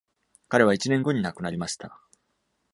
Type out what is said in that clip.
彼は一年後に亡くなりました。